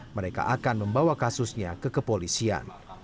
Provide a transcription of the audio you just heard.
mereka akan membawa kasusnya ke kepolisian